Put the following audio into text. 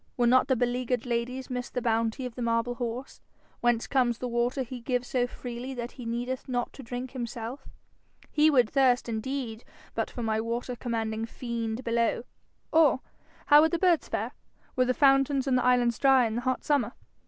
Would not the beleaguered ladies miss the bounty of the marble horse? Whence comes the water he gives so freely that he needeth not to drink himself? He would thirst indeed but for my water commanding fiend below. Or how would the birds fare, were the fountains on the islands dry in the hot summer?